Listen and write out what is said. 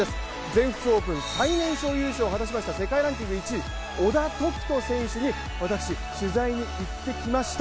全仏オープン最年少優勝を果たしました世界ランキング１位、小田凱人選手に私取材に行ってきました。